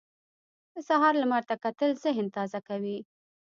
د سهار لمر ته کتل ذهن تازه کوي.